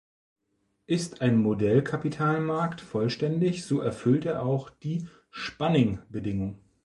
Ist ein Modell-Kapitalmarkt vollständig, so erfüllt er auch die Spanning-Bedingung.